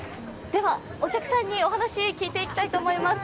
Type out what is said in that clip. お客さんにお話を聞いていきたいと思います。